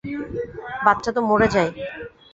বাচ্চা তো মরে যায়।